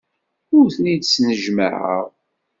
Ur ten-id-snejmaɛeɣ.